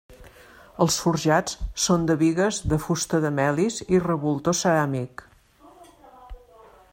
Els forjats són de bigues de fusta de melis i revoltó ceràmic.